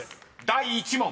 第１問］